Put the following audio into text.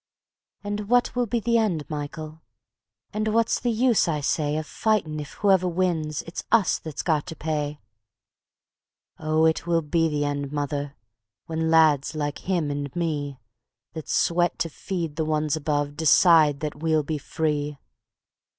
..." "And what will be the end, Michael, and what's the use, I say, Of fightin' if whoever wins it's us that's got to pay? ..." "Oh, it will be the end, mother, when lads like him and me, That sweat to feed the ones above, decide that we'll be free.